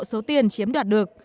số tiền chiếm đoạt được